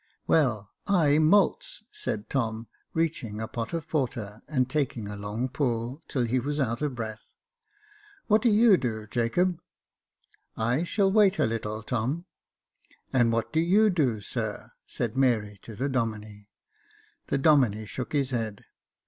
"Well, I malts," said Tom, reaching a pot of porter, and taking a long pull, till he was out of breath. "What do you do, Jacob ?" "I shall wait a little, Tom." " And what do you do, sir ?" said Mary to the Domine, The Domine shook his head.